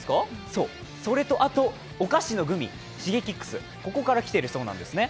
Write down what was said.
そう、それとあと、お菓子のグミ、シゲキックスからきているそうなんですね。